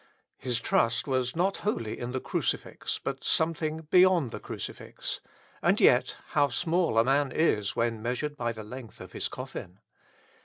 His trust was not wholly in the crucifix, but something beyond the crucifix; and yet, how small a man is when measured by the length of his coffin!